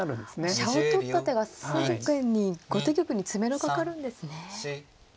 飛車を取った手がすぐに後手玉に詰めろかかるんですね。